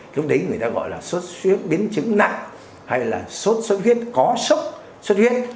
lúc đấy người ta gọi là suốt suốt biến chứng nặng hay là suốt suốt huyết có sốc suốt huyết